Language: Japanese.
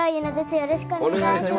よろしくお願いします。